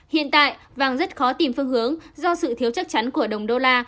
hiện tại vàng rất khó tìm phương hướng do sự thiếu chắc chắn của đồng đô la